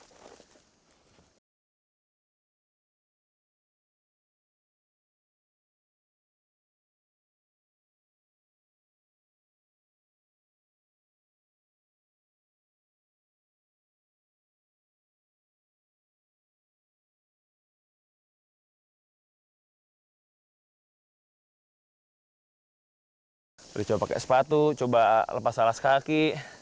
hai berjaya pakai sepatu coba lepas alas kaki